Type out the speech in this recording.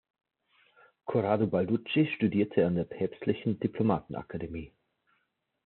Corrado Balducci studierte an der Päpstlichen Diplomatenakademie.